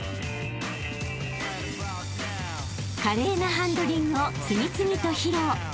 ［華麗なハンドリングを次々と披露］